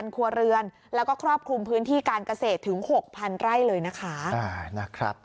ครัวเรือนแล้วก็ครอบคลุมพื้นที่การเกษตรถึง๖๐๐ไร่เลยนะคะ